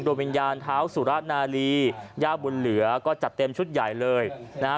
โดยวิญญาณเท้าสุรนาลีย่าบุญเหลือก็จัดเต็มชุดใหญ่เลยนะฮะ